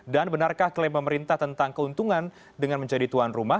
dan benarkah klaim pemerintah tentang keuntungan dengan menjadi tuan rumah